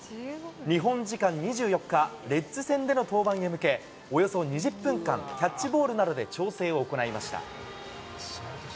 日本時間２４日、レッズ戦での登板へ向け、およそ２０分間、キャッチボールなどで調整を行いました。